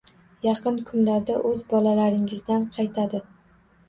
Yaqin kunlarda oʻz bolalaringizdan qaytadi